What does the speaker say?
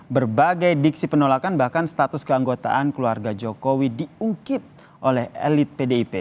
berbagai diksi penolakan bahkan status keanggotaan keluarga jokowi diungkit oleh elit pdip